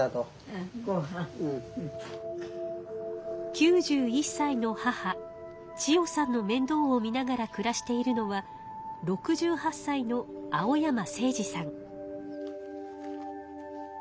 ９１歳の母千代さんのめんどうを見ながら暮らしているのは６８歳の青山政司さん。